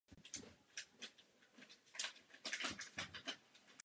Jména a biografie těchto redaktorů Lexikon české literatury neuvádí.